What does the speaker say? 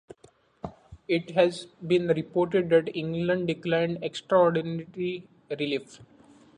It has been reported that England declined extraordinary relief.